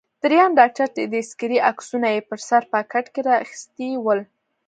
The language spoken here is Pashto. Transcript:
دریم ډاکټر چې د اېکسرې عکسونه یې په سر پاکټ کې را اخیستي ول.